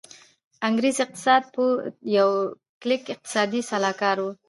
انګرېز اقتصاد پوه ټو کلیک اقتصادي سلاکار و.